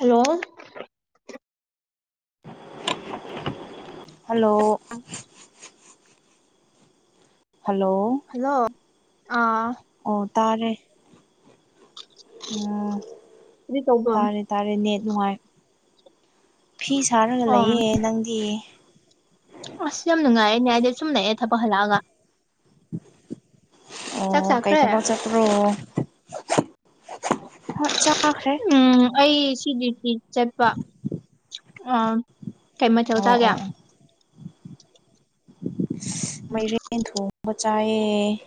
[inaudible] Hello hello hello hello ꯑꯥ ꯑꯣ ꯇꯥꯔꯦ ꯎꯝ ꯀꯔꯤ ꯇꯧꯕ꯭ꯔꯣ ꯇꯥꯔꯦ ꯇꯥꯔꯦ ꯅꯦꯠ ꯅꯨꯡꯉꯥꯏ ꯐꯤ ꯁꯥꯔꯒ ꯑꯣ ꯂꯩꯌꯦ ꯅꯪꯗꯤ ꯑꯁ ꯌꯥꯝ ꯅꯨꯡꯉꯥꯏꯅꯦ ꯑꯩꯗꯤ ꯁꯨꯝ ꯂꯩꯑꯦ ꯊꯕꯛ ꯍꯜꯂꯛꯑꯒ ꯆꯥꯛ ꯑꯣ ꯀꯩ ꯆꯥꯈ꯭ꯔꯦ ꯊꯕꯛ ꯆꯠꯄ꯭ꯔꯣ ꯍꯣꯏ ꯆꯥꯈ꯭ꯔꯦ ꯎꯝ ꯑꯩ ꯁꯤ ꯒꯤ ꯇꯤ ꯆꯠꯄ ꯑꯥ ꯀꯩ ꯃꯊꯦꯜ ꯑꯣ ꯑꯣ ꯆꯥꯒꯦ ꯁꯁ ꯃꯥꯏꯔꯦꯟ ꯊꯣꯡꯕ ꯆꯥꯏꯌꯦ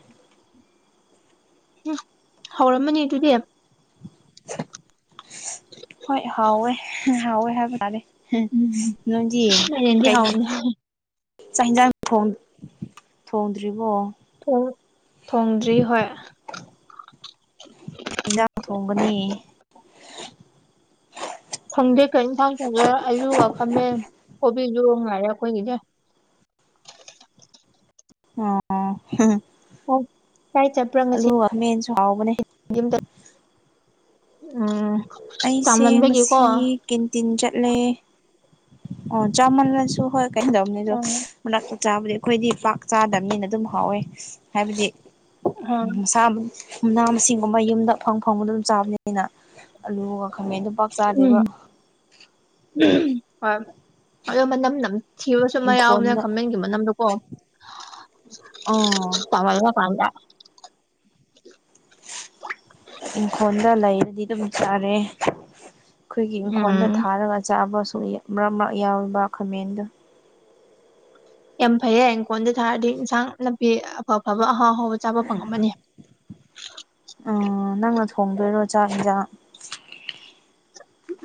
ꯍꯨꯝ ꯍꯥꯎꯔꯝꯃꯅꯤ ꯑꯗꯨꯗꯤ ꯍꯣꯏ ꯍꯥꯎꯋꯦ ꯍꯥꯎꯋꯦ ꯍꯥꯏꯕ ꯇꯥꯔꯦ ꯍ ꯎꯝ ꯅꯣꯏꯗꯤ ꯃꯥꯏꯔꯦꯟꯗꯤ ꯀꯩ ꯍꯥꯎꯕꯅꯦ ꯆꯥꯛ ꯍꯤꯟꯖꯥꯡ ꯊꯣꯡ ꯊꯣꯡꯗ꯭ꯔꯤꯕꯣ ꯊꯣꯡ ꯊꯣꯡꯗ꯭ꯔꯤ ꯍꯣꯏ ꯍꯤꯟꯖꯥꯡ ꯊꯣꯡꯒꯅꯤ ꯈꯪꯗꯦ ꯀꯩ ꯏꯟꯁꯥꯡ ꯊꯣꯡꯗꯣꯏꯔꯣ ꯑꯂꯨꯒ ꯈꯥꯃꯦꯟ ꯀꯣꯕꯤꯗꯨ ꯉꯥꯏꯔꯦ ꯑꯩꯈꯣꯏꯒꯤꯗꯤ ꯑꯣ ꯍꯥ ꯍꯥ ꯑꯣ ꯑꯂꯨ ꯈꯥꯃꯦꯟꯁꯨ ꯍꯥꯎꯕꯅꯦ ꯍꯟꯗꯛ ꯎꯝ ꯑꯩꯁꯦ ꯆꯥꯃꯟꯕꯒꯤꯀꯣ ꯉꯁꯤ ꯀꯦꯟꯇꯤꯟ ꯆꯠꯂꯦ ꯑꯣ ꯆꯥꯃꯜꯂꯁꯨ ꯍꯣꯏ ꯀꯩꯏꯝꯗꯧꯅꯤꯗꯣ ꯎꯝ ꯃꯔꯛꯇ ꯆꯥꯕꯗꯤ ꯑꯩꯈꯣꯏꯗꯤ ꯄꯥꯛ ꯆꯥꯗꯕꯅꯤꯅ ꯑꯗꯨꯝ ꯍꯥꯎꯋꯦ ꯍꯥꯏꯕꯗꯤ ꯍꯣꯏ ꯎꯝ ꯁꯥꯕ ꯃꯅꯥ ꯃꯁꯤꯡꯒꯨꯝꯕ ꯌꯨꯝꯗ ꯐꯪ ꯐꯪꯕꯗꯣ ꯑꯗꯨꯝ ꯆꯥꯕꯅꯤꯅ ꯑꯂꯨꯒ ꯈꯥꯃꯦꯟꯗꯨ ꯎꯝ ꯎꯝ ꯍꯣꯏ ꯑꯗꯨ ꯃꯅꯝ ꯅꯝ ꯊꯤꯕꯁꯨ ꯑꯃ ꯌꯥꯎꯕꯅꯦ ꯏꯪꯈꯣꯜꯗ ꯈꯥꯃꯦꯟꯒꯤ ꯃꯅꯝꯗꯨꯀꯣ ꯑꯥ ꯆꯥꯃꯜꯂ ꯀꯥꯟꯗ ꯏꯪꯈꯣꯜꯗ ꯂꯩꯕꯗꯤ ꯑꯗꯨꯝ ꯆꯥꯔꯦ ꯑꯩꯈꯣꯏꯒꯤ ꯏꯪꯈꯣꯜꯗ ꯎꯝ ꯊꯥꯔꯒ ꯆꯥꯕꯁꯨ ꯃꯔꯛ ꯃꯔꯛ ꯌꯥꯎꯋꯦꯕ ꯈꯥꯃꯦꯟꯗꯨ ꯌꯥꯝ ꯐꯩꯌꯦ ꯏꯪꯈꯣꯟꯗ ꯊꯥꯔꯗꯤ ꯏꯟꯁꯥꯡ ꯅꯥꯄꯤ ꯑꯐ ꯑꯐꯕ ꯑꯍꯥꯎ ꯑꯍꯥꯎꯕ ꯆꯥꯕ ꯐꯪꯉꯝꯃꯅꯤ ꯂꯧꯁꯤꯟꯕ ꯉꯝꯗꯕ ꯑꯣ ꯅꯪꯅ ꯊꯣꯡꯗꯣꯏꯔꯣ ꯆꯥꯛ ꯏꯟꯁꯥꯡ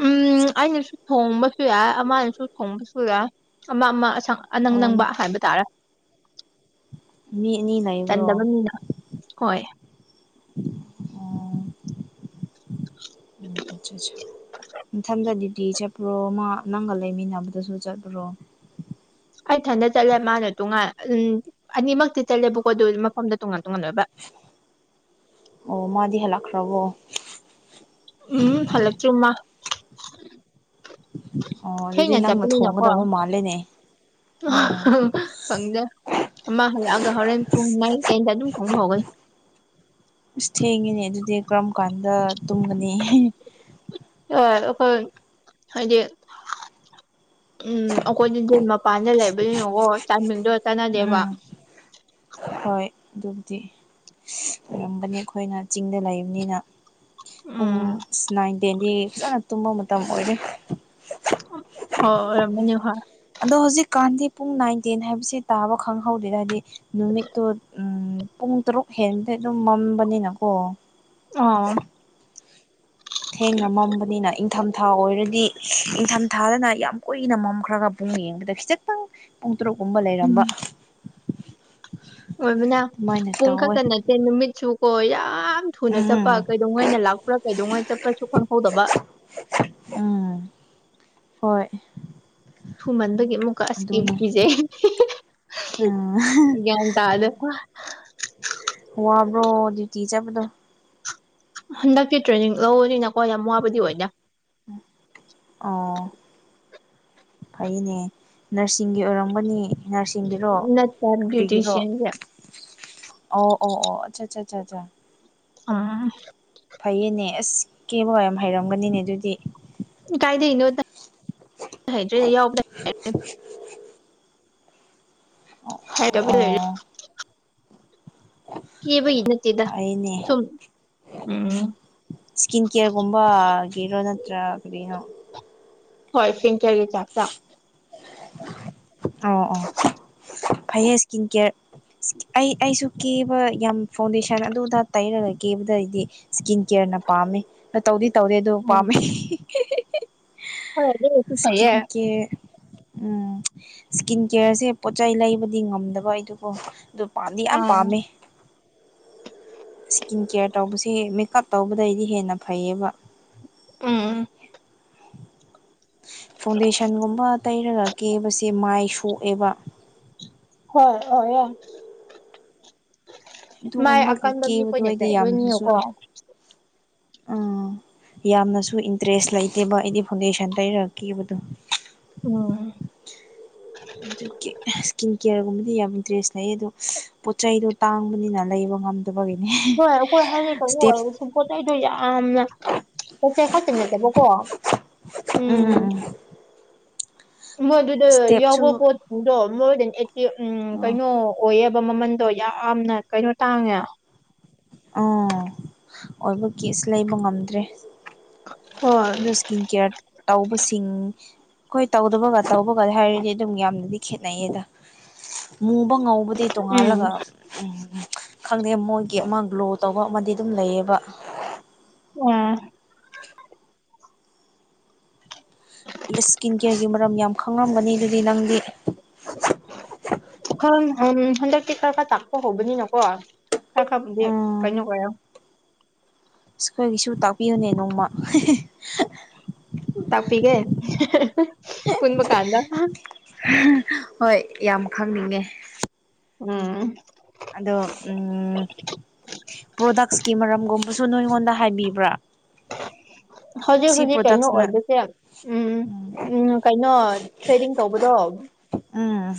ꯎꯝ ꯑꯩꯅꯁꯨ ꯊꯣꯡꯕꯁꯨ ꯌꯥꯏ ꯑꯃꯥꯅꯁꯨ ꯊꯣꯡꯕꯁꯨ ꯌꯥꯏ ꯑꯃ ꯑꯃ ꯑꯁꯪ ꯑꯅꯪ ꯑꯣ ꯅꯪꯕ ꯍꯥꯏꯕ ꯇꯥꯔꯦ ꯃꯤ ꯑꯅꯤ ꯂꯩꯕ꯭ꯔꯣ ꯆꯟꯗꯕ ꯃꯤꯅ ꯍꯣꯏ ꯑꯣ ꯎꯝ ꯑꯁꯥ ꯑꯁꯥ ꯃꯊꯝꯗ ꯗ꯭ꯌꯨꯇꯤ ꯆꯠ ꯄ꯭ꯔꯣ ꯃꯥ ꯅꯪꯒ ꯂꯩꯃꯤꯟꯅꯕꯗꯁꯨ ꯆꯠꯄ꯭ꯔꯣ ꯑꯩ ꯊꯟꯗ ꯆꯠꯂꯦ ꯃꯥꯅ ꯇꯣꯉꯥꯟ ꯎꯝ ꯑꯅꯤꯃꯛꯇꯤ ꯆꯠꯂꯦꯕꯀꯣ ꯑꯗꯨ ꯃꯐꯝꯗ ꯇꯣꯉꯥꯟ ꯇꯣꯉꯥꯟꯂꯣꯏꯕ ꯑꯣ ꯃꯗꯤꯍꯦꯜꯂꯛꯈ꯭ꯔꯣꯕꯣ ꯎꯝ ꯍꯂꯛꯇꯔꯤ ꯃꯥ ꯑꯣ ꯑꯗꯨꯗꯤ ꯊꯦꯡꯅ ꯅꯪꯅ ꯆꯠꯄꯅꯤꯅꯀꯣ ꯊꯣꯡꯒꯗꯕ ꯃꯥꯜꯂꯦꯅꯦ ꯑꯣ ꯈꯪꯗꯦ ꯊꯝꯃ ꯍꯜꯂꯛꯑꯒ ꯍꯣꯔꯦꯟ ꯄꯨꯡ ꯅꯥꯏꯟ ꯇꯦꯟꯗ ꯑꯗꯨꯝ ꯊꯣꯡꯕ ꯍꯧꯒꯅꯤ ꯏꯁ ꯊꯦꯡꯉꯤꯅꯦ ꯑꯗꯨꯗꯤ ꯀꯔꯝ ꯀꯥꯟꯗ ꯇꯨꯝꯒꯅꯤ ꯍꯤ ꯍꯣꯏ ꯑꯈꯣꯏ ꯍꯥꯏꯗꯤ ꯎꯝ ꯑꯈꯣꯏꯗꯤ ꯂꯣꯏꯃꯛ ꯃꯄꯥꯟꯗ ꯂꯩꯕꯅꯤꯅꯀꯣ ꯇꯥꯏꯃꯤꯡꯗꯣ ꯆꯥꯟꯅꯗꯦꯕ ꯎꯝ ꯍꯣꯏ ꯑꯗꯨꯕꯨꯗꯤ ꯁꯁ ꯑꯣꯏꯔꯝꯒꯅꯤ ꯑꯩꯈꯣꯏꯅ ꯆꯤꯡꯗ ꯂꯩꯕꯅꯤꯅ ꯄꯨꯡ ꯎꯝ ꯅꯥꯏꯟ ꯇꯦꯟꯗꯤ ꯐꯖꯅ ꯇꯨꯝꯕ ꯃꯇꯝ ꯑꯣꯏꯔꯦ ꯍ ꯔꯃꯅꯤ ꯍꯥꯏ ꯑꯗꯣ ꯍꯧꯖꯤꯛꯀꯥꯟꯗꯤ ꯄꯨꯡ ꯅꯥꯏꯟ ꯇꯦꯟ ꯍꯥꯏꯕꯕꯁꯤꯦ ꯇꯥꯕ ꯈꯪꯍꯧꯗꯦꯔꯗꯤ ꯅꯨꯃꯤꯠꯇꯨ ꯄꯨꯡ ꯇꯔꯨꯛ ꯍꯦꯟꯗꯤ ꯑꯗꯨꯝ ꯃꯝꯕꯅꯤꯅꯀꯣ ꯑ ꯊꯦꯡꯅ ꯃꯝꯕ ꯑꯗꯨꯅ ꯏꯪꯊꯝꯊꯥ ꯑꯣꯏꯔꯗꯤ ꯏꯪꯊꯝꯊꯥꯗꯅ ꯌꯥꯝ ꯀꯨꯏꯅ ꯃꯝꯈ꯭ꯔꯒ ꯄꯨꯡ ꯌꯦꯡꯕꯗ ꯈꯤꯖꯤꯪ ꯄꯨꯡ ꯇꯔꯨꯛꯀꯨꯝꯕ ꯂꯩꯔꯝꯕ ꯎꯝ ꯑꯣꯏꯕꯅ ꯑꯗꯨꯃꯥꯏꯅ ꯄꯨꯡ ꯇꯧꯋꯦ ꯈꯛꯇ ꯅꯠꯇꯦ ꯅꯨꯃꯤꯠꯁꯨ ꯀꯣ ꯌꯥꯝ ꯊꯨꯅ ꯆꯠꯄ ꯀ ꯎꯝ ꯀꯩꯗꯩꯉꯩ ꯂꯥꯛꯄ꯭ꯔꯥ ꯀꯩꯗꯧꯉꯩ ꯆꯠꯄ꯭ꯔꯁꯨ ꯈꯪꯍꯧꯗꯕ ꯎꯝ ꯍꯣꯏ ꯊꯨꯃꯟꯕꯒꯤ ꯑꯃꯨꯛꯀ ꯑꯁꯀꯤꯕꯨ ꯑꯗꯨꯅꯦ ꯀꯖꯩ ꯎꯝ ꯒ꯭ꯌꯥꯟ ꯇꯥꯗ ꯋꯥꯕ꯭ꯔꯣ ꯗ꯭ꯌꯨꯇꯤ ꯆꯠꯄꯗꯣ ꯍꯟꯗꯛꯛꯇꯤ ꯇ꯭ꯔꯦꯅꯤꯡ ꯂꯧꯕꯅꯤꯅꯀꯣ ꯌꯥꯝ ꯋꯥꯕꯗꯤ ꯑꯣꯏꯗꯦ ꯑ ꯐꯩꯅꯦ ꯅꯔꯁꯤꯡꯒꯤ ꯑꯣꯏꯔꯝꯒꯅꯤ ꯅꯔꯁꯤꯡꯒꯤꯔꯣ ꯅꯠꯇꯦ ꯀꯔꯤꯒꯤꯔꯣ ꯕ꯭ꯌꯨꯇꯤꯁꯤꯌꯥꯟꯁꯦ ꯑꯣ ꯑꯣ ꯑꯣ ꯑꯆꯥ ꯑꯆꯥ ꯆ ꯆ ꯑꯥ ꯐꯩꯌꯦꯅꯦ ꯑꯁ ꯀꯦ ꯕꯕꯥ ꯌꯥꯝ ꯍꯩꯔꯝꯒꯅꯤꯅꯦ ꯑꯗꯨꯗꯤ ꯀꯥꯏꯗꯅꯣ ꯍꯩꯇ꯭ꯔꯦ ꯌꯥꯎꯕ ꯍꯥꯏꯗꯕꯤ ꯂꯩꯔꯦ ꯑꯣ ꯀꯦꯕꯒꯤ ꯅꯠꯇꯦꯗ ꯐꯩꯅꯦ ꯁꯨꯝ ꯎꯝ ꯏꯁꯀꯤꯤꯟ ꯀꯦꯔꯒꯨꯝꯕꯒꯤꯦꯔꯣ ꯅꯠꯇ꯭ꯔꯥ ꯀꯔꯤꯅꯣ ꯍꯣꯏ ꯢꯁꯀꯤꯟ ꯀꯤꯌꯔꯒꯤ ꯇꯥꯢꯞꯇ ꯑꯣ ꯑꯣ ꯐꯩꯌꯦ ꯏꯁꯀꯤꯟ ꯀꯤꯌꯔ ꯑꯩ ꯑꯩꯁꯨ ꯀꯦꯕ ꯌꯥꯝ ꯐꯥꯎꯟꯗꯦꯁꯟ ꯑꯗꯨꯗ ꯇꯩꯔꯒ ꯀꯦꯕꯗꯗꯤ ꯁ꯭ꯀꯤꯟ ꯀꯦꯌꯔꯅ ꯄꯥꯝꯃꯦ ꯅ ꯇꯧꯗꯤ ꯇꯧꯗꯦ ꯑꯗꯨ ꯎꯝ ꯄꯥꯝꯃꯦ ꯍꯣꯏ ꯐꯩꯌꯦ ꯏꯁ꯭ꯀꯤꯟ ꯀꯤꯌꯔ ꯎꯝ ꯏꯁꯀꯤꯟ ꯀꯦꯌꯔꯁꯦ ꯄꯣꯠꯆ ꯆꯩ ꯂꯩꯕꯗꯤ ꯉꯝꯗꯕ ꯑꯗꯨꯀꯣ ꯄꯥꯝꯗꯤ ꯌꯥꯝ ꯎꯝ ꯄꯥꯝꯃꯦ ꯏꯁꯀꯤꯟ ꯀꯦꯌꯔ ꯇꯧꯕꯁꯦ ꯃꯦꯀꯞ ꯇꯧꯕꯗꯩꯗꯤ ꯍꯦꯟꯅ ꯐꯩꯌꯦꯕ ꯎꯝ ꯐꯥꯎꯟꯗꯦꯁꯟꯒꯨꯝꯕ ꯇꯩꯔꯒ ꯀꯦꯕꯁꯦ ꯃꯥꯏ ꯁꯣꯛꯑꯦꯕ ꯍꯣꯏ ꯍ ꯌꯥꯔ ꯃꯥꯏ ꯑꯗꯨꯒꯨꯝꯕꯒꯤ ꯑꯀꯟꯕ ꯃꯤ ꯀꯦꯕꯗꯣ ꯀꯣꯏꯅ ꯑꯩꯗꯤ ꯆꯥꯏ ꯌꯥꯝꯅꯁꯨ ꯂꯅꯤꯀꯣ ꯎꯝ ꯌꯥꯝꯅꯁꯨ ꯏꯟꯇꯔꯦꯁ ꯂꯩꯇꯦꯕ ꯑꯩꯗꯤ ꯐꯥꯎꯟꯗꯦꯁꯟ ꯇꯩꯔꯒ ꯀꯦꯕꯗꯣ ꯑꯣ ꯏꯁꯀꯤꯟ ꯀꯦꯌꯔꯒꯨꯝꯕꯗꯤ ꯌꯥꯝ ꯏꯟꯇꯔꯦꯁ ꯂꯩ ꯑꯗꯨꯗꯣ ꯄꯣꯠ ꯆꯩꯗꯣ ꯇꯥꯡꯕꯅꯤꯅ ꯂꯩꯕ ꯉꯝꯗꯦ ꯒꯤꯅꯦ ꯍꯣꯏ ꯑꯩꯈꯣꯏ ꯍꯧꯖꯤꯛ ꯀꯩꯅꯣ ꯁꯇꯦꯞ ꯑꯣꯏꯔꯁꯨ ꯄꯣꯠ ꯆꯩꯗꯣ ꯌꯥꯝꯅ ꯄꯣꯛꯆꯩ ꯈꯥꯛꯇ ꯅꯠꯇꯕꯀꯣ ꯎꯝ ꯃꯣꯏ ꯑꯗꯨꯗ ꯏꯁꯇꯦꯞꯁꯨ ꯌꯥꯎꯕ ꯄꯣꯠꯇꯗꯣ ꯃꯣꯏꯗ ꯑꯦꯛꯇꯤ ꯎꯝ ꯑꯥ ꯀꯩꯅꯣ ꯑꯣꯏꯌꯦꯕ ꯃꯃꯟꯗꯣ ꯌꯥꯝꯅ ꯀꯩꯅꯣ ꯇꯥꯡꯉꯦ ꯎꯝ ꯑꯣꯏꯕ ꯀꯦꯁ ꯂꯩꯕ ꯉꯝꯗ꯭ꯔꯦ ꯍꯣꯏ ꯑꯣ ꯏꯁꯀꯤꯟ ꯀꯦꯌꯥꯔ ꯇꯧꯕꯁꯤꯡ ꯑꯩꯈꯣꯏ ꯇꯧꯗꯕꯒ ꯇꯧꯕꯒ ꯍꯥꯏꯔꯗꯤ ꯑꯗꯨꯝ ꯌꯥꯝꯅꯗꯤ ꯈꯦꯅꯩꯌꯦꯗ ꯃꯨꯕ ꯉꯧ ꯕꯨꯗꯤ ꯇꯣꯡꯉꯥꯜꯂꯒ ꯎꯝ ꯈꯪꯗꯦ ꯃꯣꯏꯒꯤ ꯑꯃ ꯒ꯭ꯂꯣ ꯇꯧꯕ ꯑꯃꯗꯤ ꯑꯗꯨꯝ ꯂꯩꯌꯦꯕ ꯎꯝ ꯏꯁꯀꯤꯟ ꯀꯦꯌꯔꯒꯤ ꯃꯔꯝ ꯌꯥꯝ ꯈꯪꯂꯝꯝꯒꯅꯤ ꯑꯗꯨꯗꯤ ꯅꯪꯗꯤ ꯍ ꯎ ꯍꯗꯛꯇꯛꯇ ꯀꯔꯔꯕꯄꯥ ꯆꯥꯛꯄꯣ ꯍꯧꯕꯅꯤ ꯅꯀꯣ ꯈ ꯈꯦ ꯎꯝ ꯀꯩꯅꯣ ꯀꯔꯤꯅꯣ ꯑꯩꯈꯣꯏꯒꯤꯁꯨ ꯇꯥꯛꯄꯤꯌꯨꯅꯦ ꯅꯣꯡꯃ ꯇꯥꯛꯄꯤꯒꯦ ꯄꯨꯟ ꯃ ꯀꯥꯟꯅ ꯍꯣꯏ ꯌꯥꯝ ꯈꯪꯅꯤꯡꯉꯦ ꯑꯥ ꯑꯗꯣ ꯄ꯭ꯔꯣꯗꯛꯁꯀꯤ ꯃꯔꯝꯒꯨꯝꯕꯁꯨ ꯅꯣꯏꯉꯣꯟꯗ ꯍꯥꯏꯕꯤꯕ꯭ꯔꯥ ꯍꯧꯖꯤꯛ ꯁꯤ ꯍꯧꯖꯤꯛ ꯀꯩꯅꯣ ꯄ꯭ꯔꯣꯗꯛꯁꯅ ꯑꯣꯏꯕꯁꯦ ꯌꯥꯝ ꯎꯝ ꯎꯝ ꯀꯩꯅꯣ ꯊ꯭ꯔꯦꯗꯤꯡ ꯇꯧꯕꯗꯣ ꯎꯝ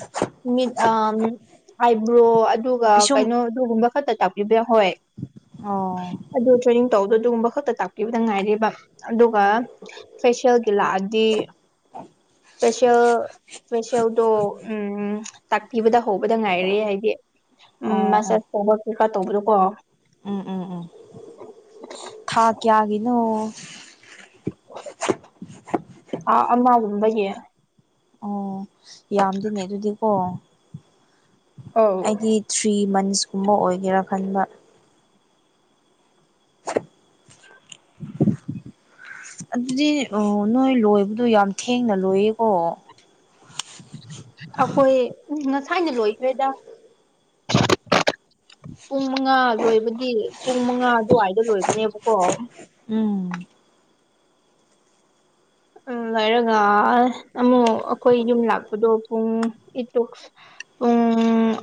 ꯃꯤꯠ ꯑ ꯑꯥꯏꯕ꯭ꯔꯣ ꯑꯗꯨꯒ ꯄꯤꯁꯨꯝ ꯀꯩꯅꯣ ꯑꯗꯨꯒꯨꯝꯕ ꯈꯛꯇ ꯇꯥꯛꯄꯤꯕ ꯌꯥ ꯍꯣꯏ ꯑꯣ ꯑꯗꯨ ꯇ꯭ꯔꯦꯅꯤꯡ ꯇꯧꯕꯗꯣ ꯑꯗꯨꯒꯨꯝꯕ ꯈꯛꯇ ꯇꯥꯛꯄꯤꯕꯗ ꯉꯥꯏꯔꯦꯕ ꯑꯗꯨꯒ ꯐꯦꯁꯤꯌꯦꯜꯒꯤ ꯂꯥꯛꯑꯗꯤ ꯏꯁꯦꯦꯜ ꯏꯁꯄꯦꯁꯦꯜꯗꯣ ꯎꯝ ꯇꯥꯛꯄꯤꯕꯗ ꯍꯧꯕꯗ ꯉꯥꯏꯔꯦ ꯍꯥꯏꯗꯤ ꯎ ꯑꯣ ꯑꯣ ꯃꯆꯥꯁ ꯐꯧꯕ ꯀꯩꯀꯥ ꯇꯧꯕꯗꯣ ꯀꯣ ꯎꯝ ꯎꯝ ꯎꯝ ꯊꯥ ꯀꯌꯥꯒꯤꯅꯣ ꯑꯥ ꯑꯅꯥꯒꯨꯝꯕꯒꯤ ꯑꯣ ꯌꯥꯝꯗꯤꯅꯦ ꯑꯗꯨꯗꯤꯀꯣ ꯑꯧ ꯑꯩꯒꯤ ꯊ꯭ꯔꯤ ꯃꯟꯁꯀꯨꯝꯕ ꯑꯣꯏꯒꯦꯔꯥ ꯈꯟꯕ ꯎ ꯑꯗꯨꯗꯤ ꯅꯣꯏ ꯂꯣꯏꯕꯗꯣ ꯌꯥꯝ ꯊꯦꯡꯅ ꯂꯣꯏꯌꯦꯀꯣ ꯑꯩꯈꯣꯏ ꯎ ꯉꯁꯥꯏꯅ ꯂꯣꯏꯈ꯭ꯔꯦꯗ ꯄꯨꯡ ꯃꯉꯥ ꯂꯣꯏꯕꯗꯤ ꯄꯨꯡ ꯃꯉꯥ ꯑꯗꯨꯋꯥꯏꯗ ꯂꯣꯏꯕꯅꯦꯕꯀꯣ ꯎꯝ ꯎꯝ ꯍꯥꯏꯔꯒ ꯑꯃꯨꯛ ꯑꯩꯈꯣꯏ ꯌꯨꯝ ꯂꯥꯛꯄꯗꯣ ꯄꯨꯡ ꯏꯇꯨꯛ ꯄꯨꯡ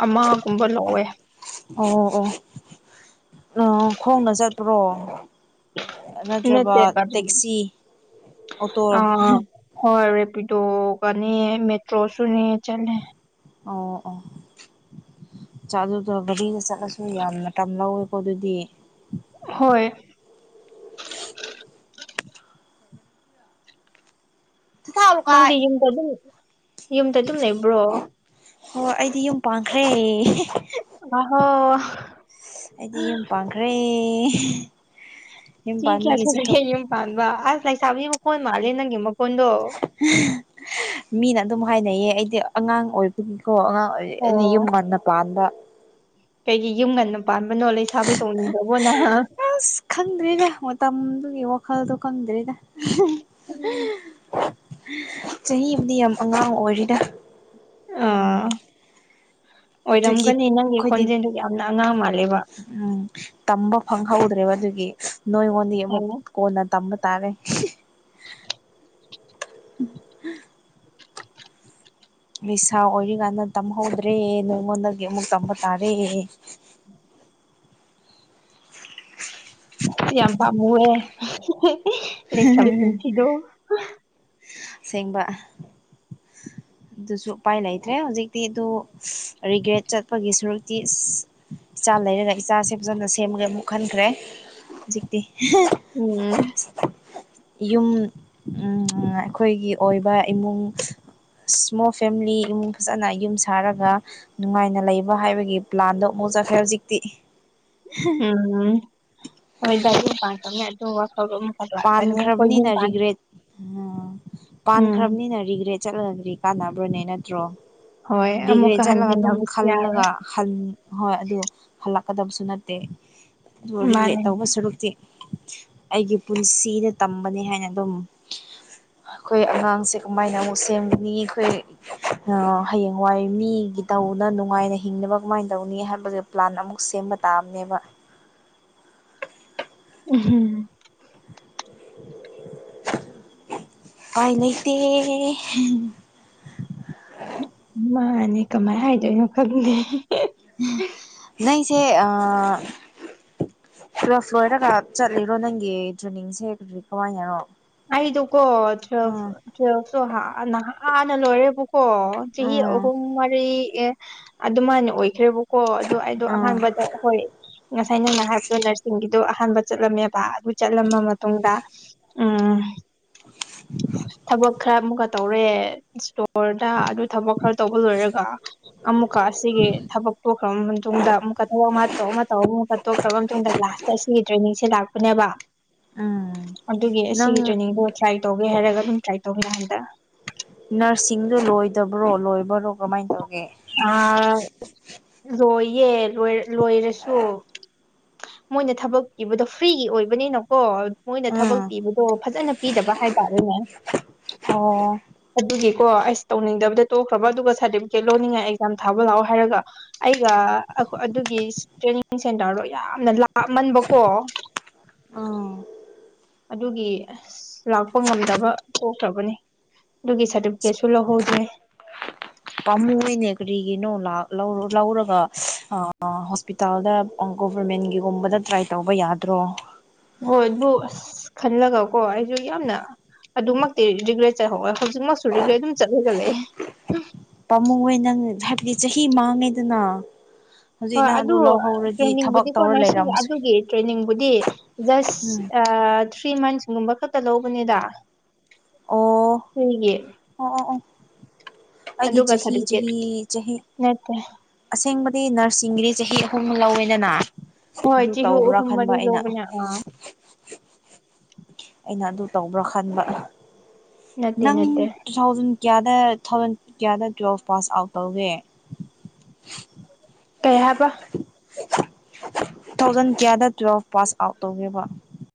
ꯑꯃꯒꯨꯝꯕ ꯂꯧꯋꯦ ꯑꯣ ꯑꯣ ꯎꯝ ꯈꯣꯡꯅ ꯆꯠꯄ꯭ꯔꯣ ꯅꯠꯇ꯭ꯔꯕ ꯅꯠꯇꯦ ꯒꯥꯔꯤ ꯇꯦꯛꯁꯤ ꯑꯣꯇꯣꯔ ꯑꯥ ꯍꯣꯏ ꯔꯦꯄꯤꯗꯣꯒꯅꯤ ꯃꯦꯇ꯭ꯔꯣꯁꯨꯅꯦ ꯆꯠꯂꯦ ꯑꯣ ꯑꯣ ꯆꯥ ꯑꯗꯨ ꯇꯧꯔꯒꯗꯤꯒ ꯆꯠ ꯅꯁꯨ ꯌꯥꯝꯅ ꯇꯝ ꯂꯧꯋꯦꯀꯣ ꯑꯗꯨꯗꯤ ꯍꯣꯏ ꯊꯥꯎ ꯅꯪꯗꯤ ꯂꯨꯀꯥꯏ ꯌꯨꯝꯗ ꯑꯗꯨꯝ ꯌꯨꯝꯗ ꯑꯗꯨꯝ ꯂꯩꯕ꯭ꯔꯣ? ꯍꯣꯏ ꯑꯩꯗꯤ ꯌꯨꯝ ꯄꯥꯟꯈ꯭ꯔꯦ꯫ ꯑ ꯍꯣ ꯑꯩꯗꯤ ꯌꯨꯝ ꯄꯥꯟꯈ꯭ꯔꯦ꯫ ꯌꯨꯝ ꯆꯍꯤ ꯀꯌꯥ ꯄꯥꯟꯕꯒꯤ ꯁꯨꯔꯒꯦ ꯆꯠꯊꯣꯛ ꯌꯨꯝ ꯄꯥꯟꯕ ꯑꯁ ꯂꯩꯥꯏꯁꯥꯕꯤꯒꯤ ꯃꯈꯣꯟ ꯃꯥꯜꯂꯦ ꯅꯪꯒꯤ ꯃꯈꯣꯟꯗꯣ꯫ ꯃꯤꯅ ꯑꯗꯨꯝ ꯍꯥꯏꯅꯩꯌꯦ ꯑꯩꯗꯤ ꯑꯉꯥꯡ ꯑꯣꯏꯕꯒꯤꯀꯣ ꯑꯉꯥꯡ ꯌꯨꯝ ꯑꯣ ꯉꯟꯅ ꯄꯥꯟꯕ ꯀꯩꯒꯤ ꯌꯨꯝ ꯉꯟꯅ ꯄꯥꯟꯕꯅꯣ ꯂꯩꯁꯥꯕꯤ ꯇꯣꯡꯅꯤꯡꯗ꯭ꯔꯕꯣ ꯅꯪ ꯍꯥ? ꯑꯁ ꯈꯪꯗ꯭ꯔꯤꯗ ꯃꯇꯝꯗꯨꯒꯤ ꯋꯥꯈꯜꯗꯣ ꯈꯪꯗ꯭꯭ꯔꯤꯗ ꯆꯍꯤꯕꯨꯗꯤ ꯌꯥꯝ ꯑꯉꯥꯡ ꯑꯣꯏꯔꯤꯗ꯫ ꯑꯥ ꯑꯗꯨꯒꯤ ꯑꯣꯏꯔꯝꯒꯅꯤ ꯅꯪꯒꯤ ꯑꯩꯈꯣꯏꯗꯤ ꯈꯣꯟꯖꯦꯜꯗꯣ ꯌꯥꯝꯅ ꯑꯉꯥꯡ ꯃꯥꯜꯂꯦꯕ ꯎꯝ ꯇꯝꯕ ꯐꯪꯍꯧꯗ꯭ꯔꯦꯕ ꯑꯗꯨꯒꯤ ꯅꯣꯏꯉꯣꯟꯗꯤ ꯑꯃꯨꯛ ꯑꯣ ꯀꯣꯟꯅ ꯇꯝꯕ ꯇꯥꯔꯦ [unintelligible] ꯎ ꯅꯤꯁꯥ ꯑꯣꯏꯔꯤꯀꯥꯟꯗ ꯇꯝꯍꯧꯗ꯭ꯔꯦ ꯅꯉꯣꯟꯗꯒꯤ ꯑꯃꯨꯛ ꯇꯝꯕ ꯇꯥꯔꯦ ꯁꯤ ꯌꯥꯝꯕ ꯄꯝꯃꯨ ꯔꯦ ꯄꯤꯊꯤꯗꯧ ꯁꯦꯡꯕ [unintelligible] ꯑꯗꯨꯁꯨ ꯎꯄꯥꯏ ꯂꯩꯇ꯭ꯔꯦ ꯍꯧꯖꯤꯛꯇꯤ ꯑꯗꯨ ꯔꯤꯒ꯭ꯔꯦꯠ ꯆꯠꯄꯒꯤ ꯁꯔꯨꯛꯇꯤ ꯑ ꯏꯆꯥ ꯂꯩꯔꯒ ꯏꯆꯥꯁꯦ ꯐꯖꯅ ꯁꯦꯝꯃꯒꯦ ꯑꯃꯨꯛ ꯈꯟꯈ꯭ꯔꯦ ꯍꯧꯖꯤꯛꯇꯤ꯫ ꯎꯝ ꯌꯨꯝ ꯎꯝ ꯑꯩꯈꯣꯏꯒꯤ ꯑꯣꯏꯕ ꯏꯃꯨꯡ ꯏꯁꯃꯣꯜ ꯐꯦꯃꯤꯂꯤ ꯏꯃꯨꯡ ꯐꯖꯅ ꯌꯨꯝ ꯁꯥꯔꯒ ꯅꯨꯡꯉꯥꯏꯅ ꯂꯩꯕ ꯍꯥꯏꯕꯒꯤ ꯄ꯭ꯂꯥꯟꯗꯣ ꯑꯃꯨꯛ ꯆꯠꯈ꯭ꯔꯦ ꯍꯧꯖꯤꯛꯇꯤ꯫ ꯎꯝ ꯍꯣꯏ [unintelligible] ꯄꯥꯟꯈ꯭ꯔꯕꯅꯤꯅ ꯔꯤꯒ꯭ꯔꯦꯠ ꯎꯝ ꯄꯥꯟꯈ꯭ꯔꯕꯅꯤꯅ ꯔꯤꯒ꯭ꯔꯦꯠ ꯆꯠꯂꯒꯗꯤ ꯀꯥꯟꯅꯕ꯭ꯔꯣꯅꯦ ꯅꯠꯇ꯭ꯔꯣ ꯍꯣꯏ ꯔꯤꯒ꯭ꯔꯦꯠ ꯑꯃꯨꯛꯀ ꯆꯠꯂꯒ ꯑꯗꯨꯝ ꯍꯟꯖꯤꯟꯅꯕꯁꯨ ꯌꯥꯔꯣꯏ ꯈꯜꯂꯒ ꯈꯟ ꯍꯣꯏ ꯑꯗꯨ ꯍꯜꯂꯛꯀꯗꯕꯁꯨ ꯅꯠꯇꯦ ꯑꯗꯨ ꯔꯤꯒ꯭ꯔꯦꯠ ꯃꯥꯅꯦ ꯇꯧꯕ ꯁꯔꯨꯛꯇꯤ ꯑꯩꯒꯤ ꯄꯨꯟꯁꯤꯗ ꯇꯝꯕꯅꯤ ꯍꯥꯏꯅ ꯑꯗꯨꯝ ꯑꯩꯈꯣꯏ ꯑꯉꯥꯡꯁꯦ ꯀꯃꯥꯏꯅ ꯑꯃꯨꯛ ꯁꯦꯝꯒꯅꯤ ꯑꯩꯈꯣꯏ ꯑ ꯍꯌꯦꯡꯋꯥꯏ ꯃꯤꯒꯤ ꯇꯧꯅ ꯅꯨꯡꯉꯥꯏꯅ ꯍꯤꯡꯅꯕ ꯀꯃꯥꯏꯅ ꯇꯧꯅꯤ ꯍꯥꯏꯕꯒꯤ ꯄ꯭ꯂꯥꯟ ꯑꯃꯨꯛ ꯁꯦꯝꯕ ꯇꯥꯑꯕꯅꯦꯕ ꯎꯍꯨꯝ ꯄꯥꯏ ꯂꯩꯇꯦ ꯃꯥꯅꯦ ꯀꯃꯥꯏꯅ ꯍꯥꯏꯗꯣꯏꯅꯣ ꯈꯪꯗꯦ꯫ ꯅꯪꯁꯦ ꯑ ꯇꯨꯌꯦꯜꯐ ꯂꯣꯏꯔꯥꯒꯥ ꯆꯠꯂꯤꯔꯣ ꯅꯪꯒꯤ ꯇꯔ꯭ꯦꯅꯤꯡꯁꯦ ꯀꯔꯤ ꯀꯅꯥꯏꯅꯔꯣ? ꯑꯩꯗꯣ ꯀꯣ ꯇꯨꯌꯦꯜꯐ ꯇꯨꯌꯦꯜꯐ ꯇꯣ ꯍꯟꯅꯥ ꯅꯍꯥꯟꯅ ꯂꯣꯏꯔꯦꯕꯀꯣ ꯆꯍꯤ ꯎꯝ ꯑꯍꯨꯝ ꯃꯔꯤ ꯑꯦ ꯑꯗꯨꯃꯥꯏꯅ ꯑꯣꯏꯈ꯭ꯔꯦꯕ ꯀꯣ ꯑꯗꯣ ꯑꯩꯗꯣ ꯎꯝ ꯑꯍꯥꯟꯕꯗ ꯍꯣꯏ ꯉꯁꯥꯏ ꯅꯪꯅ ꯍꯥꯏꯔꯕꯗꯣ ꯅꯔꯁꯤꯡꯒꯤꯗꯣ ꯑꯍꯥꯟꯕ ꯆꯠꯂꯝꯃꯦ꯫ ꯄꯥ ꯑꯗꯨ ꯆꯠꯂꯝꯕ ꯃꯇꯨꯡꯗ ꯎꯝ [unintelligible] ꯊꯕꯛ ꯈꯔ ꯑꯃꯨꯛꯀ ꯇꯧꯔꯦ ꯏꯁꯇꯣꯔꯗ ꯑꯗꯨ ꯊꯕꯛ ꯈꯔ ꯇꯧꯕ ꯂꯣꯏꯔꯒ ꯑꯃꯨꯛꯀ ꯑꯁꯤꯒꯤ ꯊꯕꯛ ꯇꯣꯛꯈ꯭ꯔꯕ ꯃꯇꯨꯡꯗ ꯑꯃꯨꯛꯀ ꯊꯕꯛ ꯑꯃ ꯇꯧ ꯑꯃ ꯇꯧꯔꯒ ꯑꯃꯨꯛꯀ ꯇꯣꯛꯈ꯭ꯔꯕ ꯃꯇꯨꯡꯗ ꯂ ꯇ ꯑꯁꯤꯒꯤ ꯇ꯭ꯔꯦꯅꯤꯡꯁꯦ ꯂꯥꯛꯄꯅꯦꯕ ꯎꯝ ꯑꯗꯨꯒꯤ ꯅꯪ ꯑꯁꯤꯒꯤ ꯇ꯭ꯔꯦꯅꯤꯡꯗꯣ ꯇ꯭ꯔꯥꯏ ꯇꯧꯒꯦ ꯍꯥꯏꯔꯒ ꯑꯗꯨꯝ ꯇ꯭ꯔꯥꯏ ꯇꯧꯅꯤ ꯍꯟꯗꯛ꯫ ꯅꯔꯁꯤꯡꯗꯣ ꯂꯣꯏꯗꯕ꯭ꯔꯣ ꯂꯣꯏꯕ꯭ꯔꯣ ꯀꯃꯥꯏꯅ ꯇꯧꯒꯦ? ꯑ ꯂꯣꯏꯌꯦ ꯂꯣꯏꯔꯁꯨ ꯃꯣꯏꯅ ꯊꯕꯛ ꯏꯕꯗꯣ ꯐ꯭ꯔꯤꯒꯤ ꯑꯣꯏꯕꯅꯤꯅꯣ ꯀꯣ ꯃꯣꯏꯅ ꯊꯕꯛ ꯎꯝ ꯄꯤꯕꯗꯣ ꯐꯖꯅ ꯄꯤꯗꯕ ꯍꯥꯏꯇꯥꯔꯦꯅꯦ꯫ ꯑꯣ ꯑꯗꯨꯒꯤꯀꯣ ꯑꯁ ꯇꯧꯅꯤꯡꯗꯕꯗ ꯇꯣꯛꯈ꯭ꯔꯕ ꯑꯗꯨꯒ ꯁꯥꯔꯇꯤꯐꯤꯀꯦꯠ ꯂꯧꯅꯤꯡꯉꯥꯏ ꯑꯦꯛꯖꯥꯝ ꯊꯥꯕ ꯂꯥꯛꯑꯣ ꯍꯥꯏꯔꯒ ꯑꯩꯒ ꯑꯗꯨꯒꯤ ꯇ꯭ꯔꯦꯅꯤꯡ ꯁꯦꯟꯇꯔꯗꯣ ꯌꯥꯝꯅ ꯂꯥꯃꯟꯕꯀꯣ ꯑꯥ ꯑꯗꯨꯒꯤ ꯂꯥꯛꯄ ꯉꯝꯗꯕ ꯊꯣꯛꯇ꯭ꯔꯕꯅꯤ ꯑꯗꯨꯒꯤ ꯁꯔꯇꯤꯐꯤꯀꯦꯠꯁꯨ ꯂꯧꯍꯧꯗ꯭ꯔꯦ ꯄꯥꯝꯃꯨꯣꯏꯅꯦ ꯀꯔꯤꯒꯤꯅꯣ ꯂꯧꯔꯒ ꯍꯣꯁꯄꯤꯇꯥꯜꯗ ꯒꯣꯚꯔꯃꯦꯟꯒꯤꯒꯨꯝꯕꯗ ꯇ꯭ꯔꯥꯏ ꯇꯧꯕ ꯌꯥꯗ꯭ꯔꯣ ꯍꯣꯏ ꯑꯗꯨꯕꯨ ꯑꯁ ꯈꯜꯂꯒꯀꯣ ꯑꯩꯁꯨ ꯌꯥꯝꯅ ꯑꯗꯨꯃꯛꯇꯤ ꯔꯤꯒ꯭ꯔꯦꯠ ꯆꯠꯍꯧꯔꯦ ꯍꯧꯖꯤꯛꯃꯛꯁꯨ ꯔꯤꯒ꯭ꯔꯦꯠ ꯑꯗꯨꯝ ꯆꯠꯂꯒ ꯂꯩꯑꯦ꯫ ꯄꯥꯃꯨꯌꯦ ꯅꯪ ꯍꯥꯏꯕꯗꯤ ꯆꯍꯤ ꯃꯥꯡꯉꯦꯗꯅ꯫ ꯍꯧꯖꯤꯛ ꯍꯣꯏ ꯅꯪ ꯑꯗꯨ ꯂꯧꯍꯧꯔꯗꯤ ꯊꯕꯛ ꯇ꯭ꯔꯦꯟꯅꯤꯡꯕꯨꯗꯤꯀꯣ ꯇꯧꯔ ꯅꯔꯁꯁꯤꯡ ꯂꯩꯔꯝꯕꯁꯨ ꯑꯗꯨꯒꯤ ꯇ꯭ꯔꯦꯅꯤꯡꯕꯨꯗꯤ ꯎꯝ ꯖꯁ ꯊ꯭ꯔꯤ ꯃꯟꯁꯀꯨꯝꯕ ꯈꯛꯇ ꯂꯧꯕꯅꯤꯗ꯫ ꯑꯣ ꯐ꯭ꯔꯤꯒꯤ ꯑꯣ ꯑꯣ ꯑꯣ ꯑꯩꯒꯤ ꯑꯗꯨꯒ ꯆꯍꯤ ꯁꯥꯔꯇꯤꯐꯤꯀꯦꯠ ꯆꯍꯤ ꯆꯍꯤ ꯅꯠꯇꯦ ꯑꯁꯦꯡꯕꯗꯤ ꯅꯔꯁꯤꯡꯒꯤꯗꯤ ꯆꯍꯤ ꯑꯍꯨꯝ ꯂꯧꯋꯦꯗꯅ ꯍꯣꯏ ꯑꯗꯨ ꯆꯍꯨ ꯇꯧꯕ꯭ꯔꯥ ꯑꯍꯨꯝ ꯈꯟꯕ ꯃꯔꯤ ꯑꯩꯅ ꯂꯧꯕꯅꯦ ꯑꯥ ꯑꯩꯅ ꯑꯗꯨ ꯇꯧꯕ꯭ꯔꯥ ꯈꯟꯕ ꯅꯠꯇꯦ ꯅꯪ ꯅꯠꯇꯦ ꯇꯨ ꯊꯥꯎꯖꯟ ꯀꯌꯥꯗ ꯇꯨ ꯊꯥꯎꯖꯟ ꯀꯌꯥꯗ ꯇꯨꯌꯦꯦꯜꯐ ꯄꯥꯁ ꯑꯥꯎꯠ ꯇꯧꯒꯦ ꯀꯩ ꯍꯥꯏꯕ ꯨ ꯊꯥꯎꯖꯟ ꯀꯌꯥꯗ ꯇꯨꯋꯦꯜꯐ ꯄꯥꯁ ꯑꯥꯎꯠ ꯇꯧꯒꯦꯕ